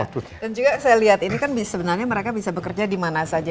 dan juga saya lihat ini kan sebenarnya mereka bisa bekerja di mana saja